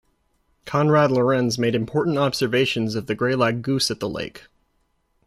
Konrad Lorenz made important observations of the greylag goose at the lake.